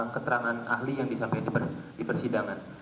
keterangan ahli yang disampaikan di persidangan